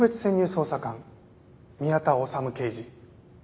捜査官宮田修刑事。